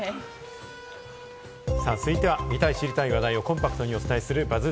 続いては、見たい知りたい話題をコンパクトにお伝えするＢＵＺＺ